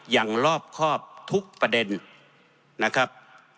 อย่างรอบครอบทุกประเด็นนะครับ